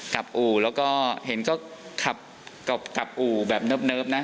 อู่แล้วก็เห็นก็ขับกลับอู่แบบเนิบนะ